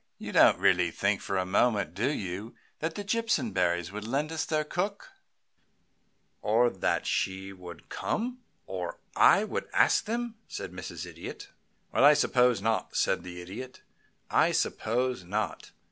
"You don't really think for a moment, do you, that the Jimpsonberrys would lend us their cook, or that she would come, or that I would ask them?" said Mrs. Idiot. "Well, I suppose not," said the Idiot. "I suppose not.